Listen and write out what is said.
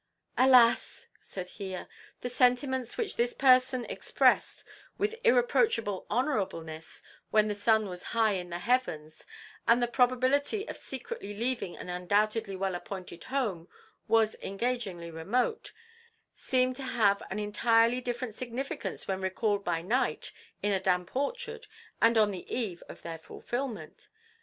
"Alas!" said Hiya, "the sentiments which this person expressed with irreproachable honourableness when the sun was high in the heavens and the probability of secretly leaving an undoubtedly well appointed home was engagingly remote, seem to have an entirely different significance when recalled by night in a damp orchard, and on the eve of their fulfilment.